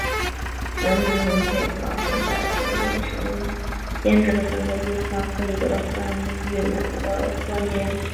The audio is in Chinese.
人们相信佩戴红白两色线绳编织的三月花可以得到三月奶奶的宽宥。